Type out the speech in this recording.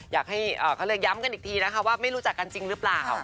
อยากให้เขาเรียกย้ำกันอีกทีนะคะว่าไม่รู้จักกันจริงหรือเปล่า